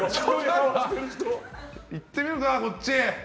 いってみるか、こっち！